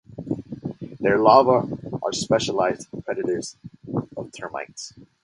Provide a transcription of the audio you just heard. Their larvae are specialized predators of termites.